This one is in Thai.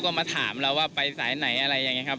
ก็มาถามเราว่าไปสายไหนอะไรอย่างนี้ครับ